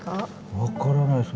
分からないです。